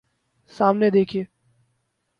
سامنے دیکھئے